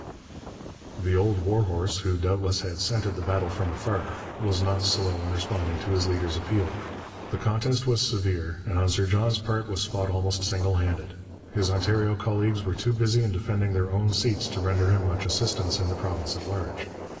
The old war horse, who doubtless had scented the battle from afar, was not slow in responding to his leader's appeal. The contest was severe, and on Sir John's part was fought almost single handed. His Ontario colleagues were too busy in defending their own seats to render him much assistance in the province at large.